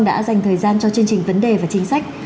đã dành thời gian cho chương trình vấn đề và chính sách